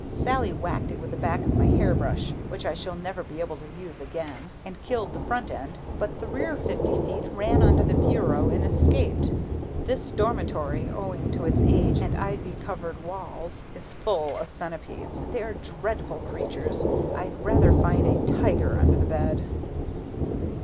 Sallie whacked it with the back of my hair brush which I shall never be able to use again and killed the front end, but the rear fifty feet ran under the bureau and escaped. This dormitory, owing to its age and ivy covered walls, is full of centipedes. They are dreadful creatures. I'd rather find a tiger under the bed.